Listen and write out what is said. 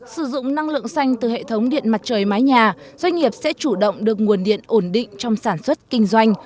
sử dụng năng lượng xanh từ hệ thống điện mặt trời mái nhà doanh nghiệp sẽ chủ động được nguồn điện ổn định trong sản xuất kinh doanh